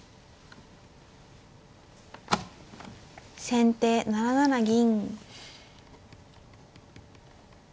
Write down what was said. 先手７七銀。